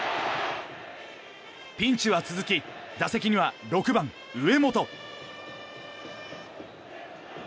ピンチは続き打席には６番、上本。